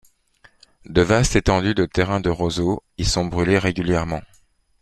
De vastes étendues de terrains de roseaux y sont brûlées régulièrement.